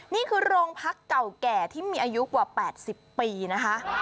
นี่คือโรงพักเก่าแก่ที่มีอายุกว่า๘๐ปีนะคะ